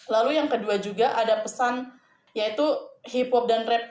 lalu yang kedua juga ada pesan yaitu hip hop dan rapid